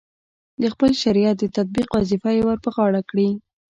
د خپل شریعت د تطبیق وظیفه یې ورپه غاړه کړې.